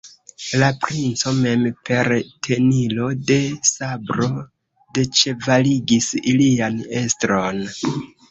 La princo mem per tenilo de sabro deĉevaligis ilian estron.